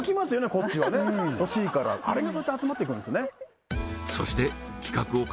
こっちはねほしいからあれがそうやって集まっていくんですよね